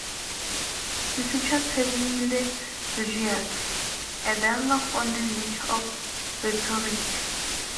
He features heavily in the "Gorgias", a dialogue on the nature of rhetoric.